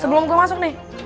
sebelum gue masuk nih